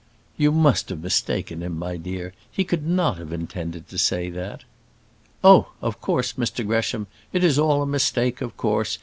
"You must have mistaken him, my dear. He could not have intended to say that." "Oh! of course, Mr Gresham. It is all a mistake, of course.